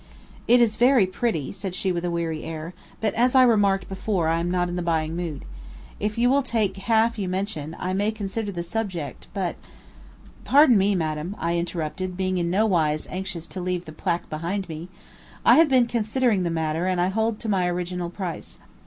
"It is very pretty," said she with a weary air; "but as I remarked before, I am not in the buying mood. If you will take half you mention, I may consider the subject, but " "Pardon me, Madame," I interrupted, being in no wise anxious to leave the placque behind me, "I have been considering the matter and I hold to my original price.